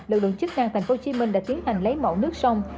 lực lượng chức năng thành phố hồ chí minh đã tiến hành lấy mẫu nước sông